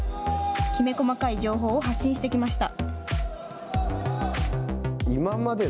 きめ細かい情報を発信してきました。